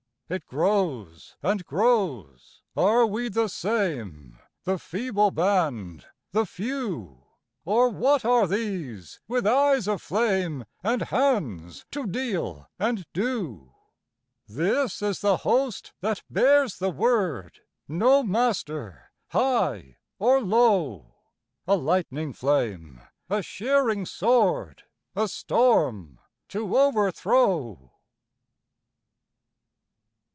It grows and grows are we the same, The feeble band, the few? Or what are these with eyes aflame, And hands to deal and do? This is the host that bears the word, No MASTER HIGH OR LOW A lightning flame, a shearing sword, A storm to overthrow.